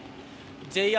ＪＲ